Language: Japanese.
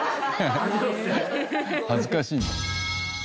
恥ずかしいんだ。